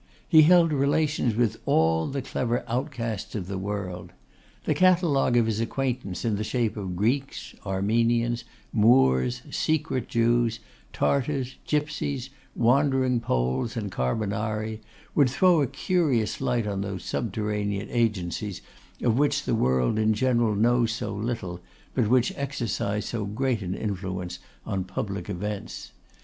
He held relations with all the clever outcasts of the world. The catalogue of his acquaintance in the shape of Greeks, Armenians, Moors, secret Jews, Tartars, Gipsies, wandering Poles and Carbonari, would throw a curious light on those subterranean agencies of which the world in general knows so little, but which exercise so great an influence on public events.